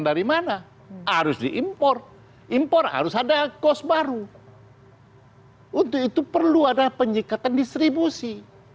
dari mana harus diimpor impor harus ada kos baru untuk itu perlu ada penyekatan distribusi